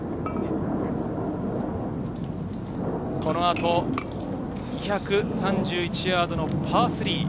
この後、２３１ヤードのパー３。